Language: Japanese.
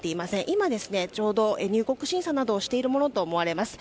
今、ちょうど入国審査などをしているものとみられます。